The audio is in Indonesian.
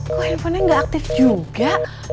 kok handphonenya nggak aktif juga